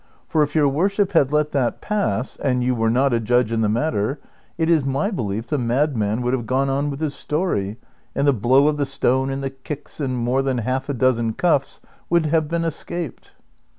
l89 your worship had let that pass — and you were not a judge in the matter — it is my belief the niaduian would have gone on with his story, and the blow of the stone, and the kicks, and more than half a dozen cuffs would have been escaped."